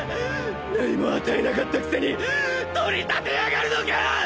何も与えなかったくせに取り立てやがるのか！？